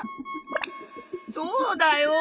そうだよ！